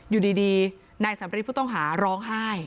อยู่ดีนายสำริทผู้ต้องหาร้องไห้